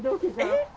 えっ？